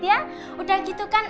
ya udah gitu kan